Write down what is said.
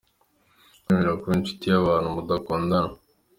Kwemera kuba inshuti y’ abantu mudakundana.